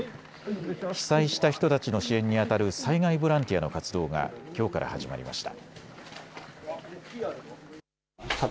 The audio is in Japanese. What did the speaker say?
被災した人たちの支援にあたる災害ボランティアの活動がきょうから始まりました。